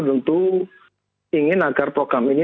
tentu ingin agar program ini